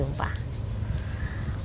terima kasih ibu